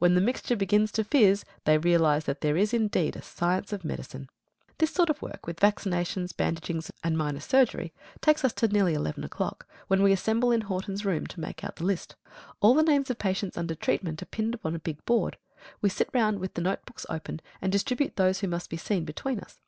When the mixture begins to fizz, they realise that there is indeed a science of medicine. This sort of work, with vaccinations, bandagings, and minor surgery, takes us to nearly eleven o'clock, when we assemble in Horton's room to make out the list. All the names of patients under treatment are pinned upon a big board. We sit round with note books open, and distribute those who must be seen between us.